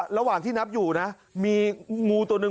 ระหว่างที่นับอยู่นะมีงูตัวหนึ่ง